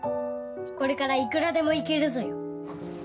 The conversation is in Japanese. これからいくらでも行けるぞよ。